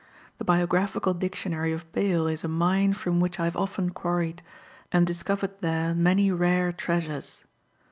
The Biographical Dictionary of Bayle is a mine from which I have often quarried, and discovered there many rare treasures.